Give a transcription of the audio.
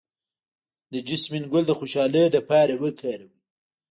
د جیسمین ګل د خوشحالۍ لپاره وکاروئ